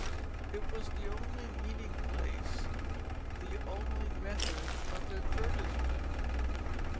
It was the only meeting place, the only method of advertisement.